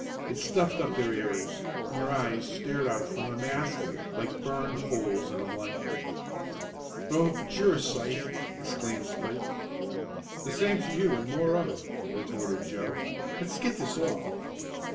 It stuffed up their ears and their eyes stared out from a mask of it like burned holes in a blanket. "Oh, but you are a sight!" exclaimed Spike. "The same to you and more of it," retorted Joe. "Let's get this off."